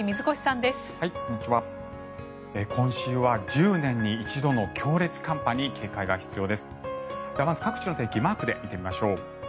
ではまず、各地の天気マークで見てみましょう。